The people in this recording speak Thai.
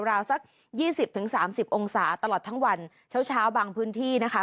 ราวสัก๒๐๓๐องศาตลอดทั้งวันเช้าเช้าบางพื้นที่นะคะ